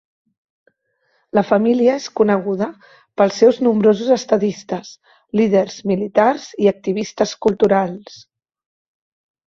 La família és coneguda pels seus nombrosos estadistes, líders militars i activistes culturals.